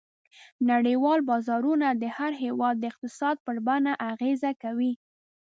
نړیوال بازارونه د هر هېواد د اقتصاد پر بڼه اغېزه کوي.